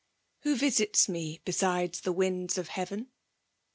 Who Tititi me besides the winds of hea?en